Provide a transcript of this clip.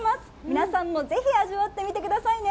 皆さんもぜひ味わってみてくださいね。